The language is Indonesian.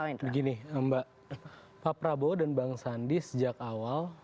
begini mbak pak prabowo dan bang sandi sejak awal